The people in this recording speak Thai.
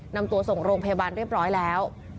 นำตัวส่งโรงพยาบาลเรียบร้อยแล้ว